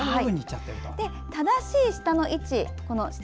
正しい舌の位置。